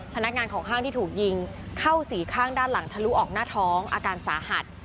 พนักงานของห้างที่ถูกยิงเข้าสี่ข้างด้านหลังทะลุออกหน้าท้องอาการสาหัส